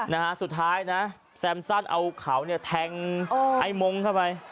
นะฮะสุดท้ายนะแซมสั้นเอาเขาเนี่ยแทงไอ้มงค์เข้าไป